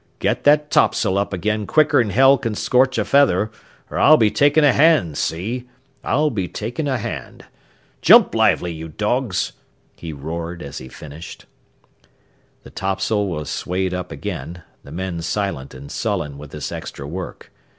Get that topsail up again quicker'n hell can scorch a feather, or I'll be taking a hand, see! I'll be taking a hand. Jump lively, you dogs!" he roared, as he finished. The topsail was swayed up again, the men silent and sullen with this extra work.